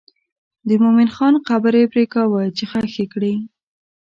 د مومن خان قبر یې پرېکاوه چې ښخ یې کړي.